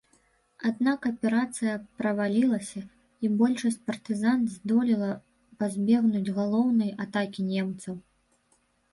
Аднак аперацыя правалілася і большасць партызан здолела пазбегнуць галоўнай атакі немцаў.